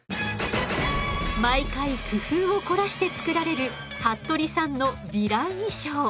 毎回工夫を凝らして作られる服部さんのヴィラン衣装。